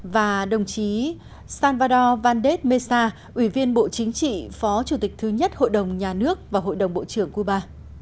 và đồng chí salvador vandes mesa ủy viên bộ chính trị phó chủ tịch thứ nhất hội đồng nhà nước và hội đồng bộ trưởng cuba